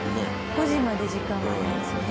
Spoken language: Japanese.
５時まで時間がありますよね。